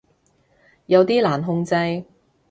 有啲難控制